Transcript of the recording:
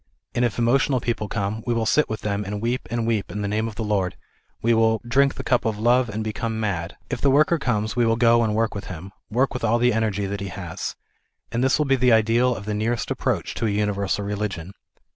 And if emotional people come we will sit with them and weep and weep in the name of tlie Lord ; we will " drink the cup of love and become mad." If the worker comes we will go and work with him, work with all the energy that he has. And this will be the ideal of the nearest approach to a universal religion.